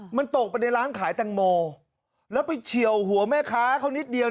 มันตกไปในร้านขายแตงโมแล้วไปเฉียวหัวแม่ค้าเขานิดเดียว